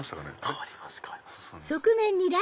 変わります変わります。